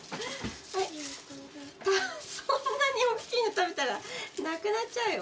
そんなにおっきいの食べたらなくなっちゃうよ。